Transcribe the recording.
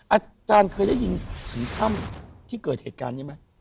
อาจารย์เคยได้ยินถึงถ้ำที่เกิดเหตุการณ์นี้ไหม